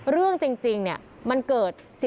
เรื่องจริงเนี่ยมันเกิด